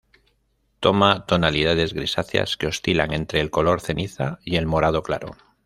Toma tonalidades grisáceas que oscilan entre el color ceniza y el morado claro.